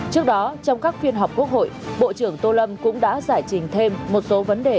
trước đó trong các phiên họp quốc hội bộ trưởng tô lâm cũng đã giải trình thêm một số vấn đề